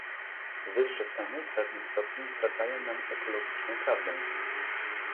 Wyższe ceny w pewnym stopniu zdradzają nam ekologiczną prawdę